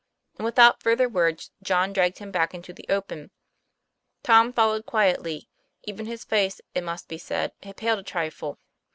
And without further words, John dragged him back into the open. Tom followed quietly ; even his face, : t must be said, had paled a trifle.